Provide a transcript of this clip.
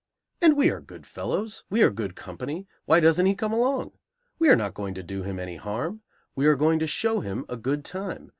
And we are good fellows, we are good company; why doesn't he come along? We are not going to do him any harm. We are going to show him a good time.